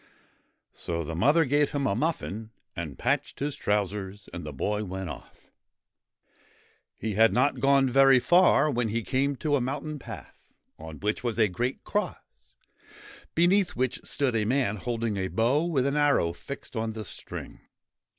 So the mother gave him a muffin and patched his trousers, and the boy went off. He had not gone very far when he came to a mountain path, on which was a great cross, beneath which stood a man holding a bow with an arrow fixed on the string.